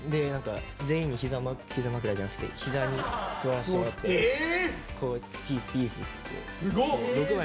全員に膝ま膝まくらじゃなくて膝に座らせてもらってピースピースっつって。